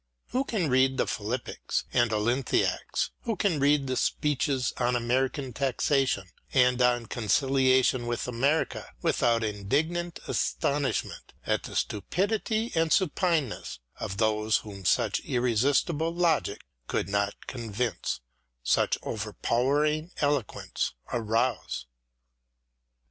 Who can read the " Philippics " and " Olynthiacs," who can read the speeches on American Taxation and on Conciliation with America, without indignant astonishment at the stupidity and supineness of those whom such irresistible logic could not convince, such over powering eloquence arouse ?